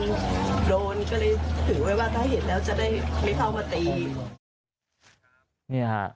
มันโดนก็เลยถือไว้ว่าถ้าเห็นแล้วจะได้ไม่เข้ามาตี